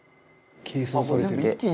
「計算されてる」